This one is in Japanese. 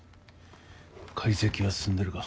解析は進んでるか？